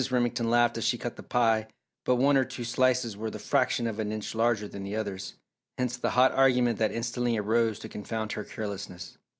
Remington laughed as she cut the pie but one or two slices were the fraction of an inch larger than the others, hence the hot argument that instantly arose to confound her carelessness.